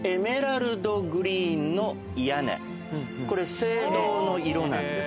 これ青銅の色なんです。